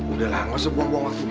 udahlah gak usah buang buang waktu